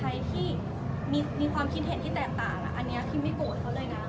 ใครที่มีความคิดเห็นที่แตกต่างอันนี้พิมไม่โกรธเขาเลยนะ